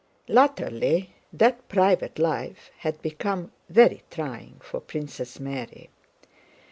Latterly that private life had become very trying for Princess Mary.